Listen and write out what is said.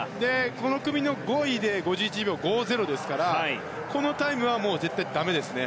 この組の５位で５１秒５０ですからこのタイムは絶対にだめですね。